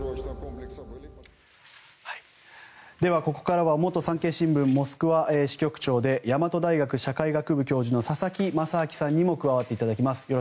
ここからは元産経新聞モスクワ支局長で大和大学社会学部教授の佐々木正明さんにも加わっていただきます。